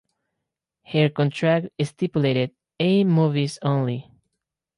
Her contract stipulated "A-movies only".